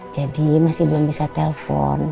jadi masih belum bisa telfon